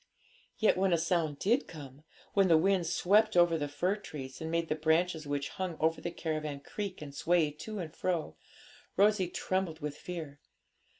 Yet when a sound did come when the wind swept over the fir trees, and made the branches which hung over the caravan creak and sway to and fro Rosalie trembled with fear.